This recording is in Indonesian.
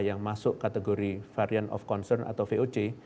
yang masuk kategori variant of concern atau voc